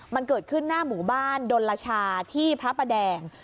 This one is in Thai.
มันเกิดขึ้นหน้าหมู่บ้านดลชาที่พระประแดง